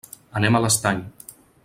Anem a l'Estany.